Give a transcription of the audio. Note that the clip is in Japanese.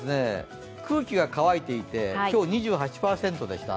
空気が乾いていて、今日は２８％でした。